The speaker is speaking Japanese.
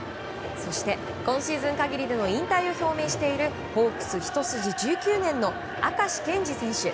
そして、今シーズン限りでの引退を表明しているホークス一筋１９年の明石健志選手。